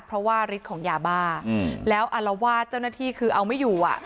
เพราะว่าฤทธิ์ของยาบ้าแล้วอารวาสเจ้าหน้าที่คือเอาไม่อยู่อ่ะ